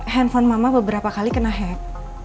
handphone mama beberapa kali kena hack